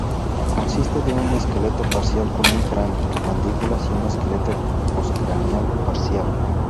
Consiste de un esqueleto parcial con un cráneo, mandíbulas y un esqueleto postcraneal parcial.